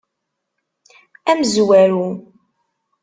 Amezwaru.